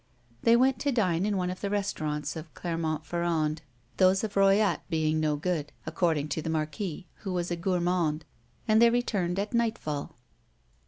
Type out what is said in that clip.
They went to dine in one of the restaurants of Clermont Ferrand, those of Royat being no good, according to the Marquis, who was a gourmand, and they returned at nightfall.